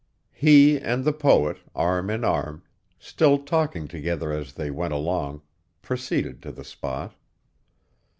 He and the poet, arm in arm, still talking together as they went along, proceeded to the spot.